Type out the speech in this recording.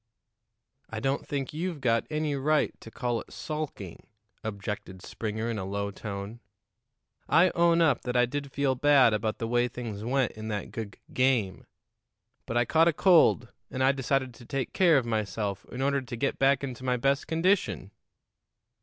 "I don't think you've got any right to call it sulking," objected Springer in a low tone. "I own up that I did feel bad about the way things went in that gug game; but I caught a cold, and I decided to take care of myself in order to get back into my best condition."